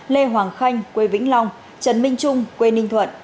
lê hoàng khanh quê vĩnh long trần minh trung quê ninh thuận